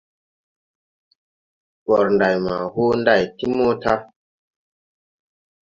Gor nday ma hoo nday ti moda.